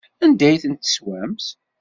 Anda ay tent-teswamt?